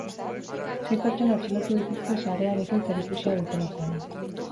Sei pertsona atxilotu dituzte sarearekin zerikusia dutelakoan.